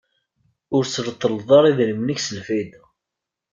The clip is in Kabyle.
Ur s-treṭṭleḍ ara idrimen-ik s lfayda.